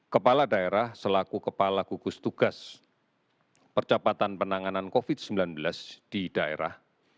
kepala daerah selaku kepala gugus tugas percepatan penanganan covid sembilan belas di daerah